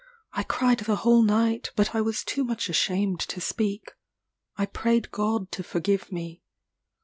I cried the whole night, but I was too much ashamed to speak. I prayed God to forgive me.